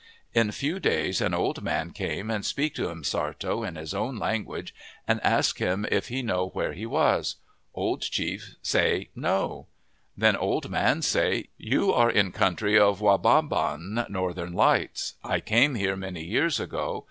" In few days an old man came and speak to M'Sartto in his own language and ask him if he know where he was. " Old Chief say, < No/ "Then old man say, 'You are in country of Wa ba ban, Northern Lights. I came here many years ago.